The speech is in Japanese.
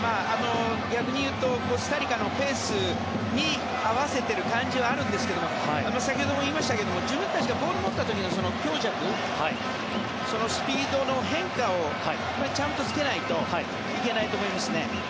逆に言うと、コスタリカのペースに合わせている感じはあるんですけども先ほども言いましたけど自分たちがボールを持った時の強弱スピードの変化をちゃんとつけないといけないと思いますね。